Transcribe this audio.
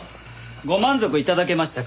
ご満足頂けましたか？